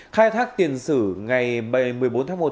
khai thác tiền sử ngày một mươi bốn tháng một